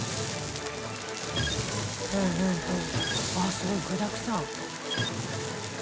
すごい具だくさん。